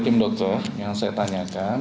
tim dokter yang saya tanyakan